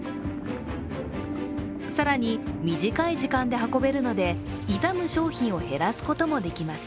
更に短い時間で運べるので傷む商品を減らすこともできます。